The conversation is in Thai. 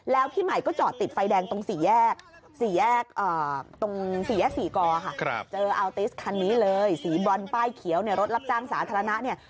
แล้วพี่ใหม่ก็จอดติดไฟแดงตรงศรีแยกศรีกรค่ะเจออาวติสคันนี้เลยสีบรอนป้ายเขียวรถรับจ้างสาธารณะเนี่ย